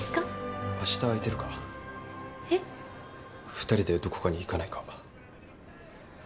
２人でどこかに行かないか？